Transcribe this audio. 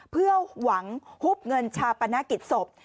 เพื่อหวังฮุบเงินชาปนกิจศพ